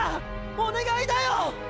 お願いだよ！！